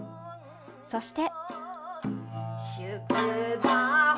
そして。